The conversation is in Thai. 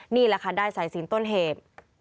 นี่แหละค่ะได้สายสินต้นเหตุ